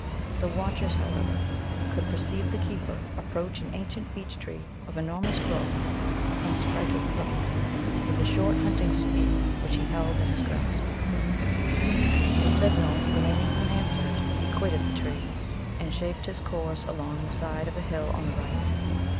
The watchers, however, could perceive the keeper approach an ancient beech tree of enormous growth, and strike it thrice with the short hunting spear which he held in his grasp. The signal remaining unanswered, he quitted the tree, and shaped his course along the side of a hill on the right.